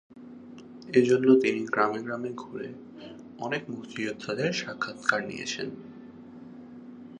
এজন্য তিনি গ্রামে গ্রামে ঘুরে অনেক মুক্তিযোদ্ধাদের সাক্ষাৎকার নিয়েছেন।